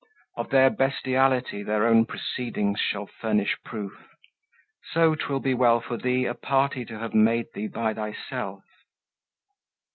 Of their bestiality their own proceedings Shall furnish proof; so 'twill be well for thee A party to have made thee by thyself.